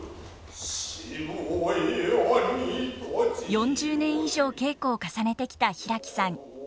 ４０年以上稽古を重ねてきた平木さん。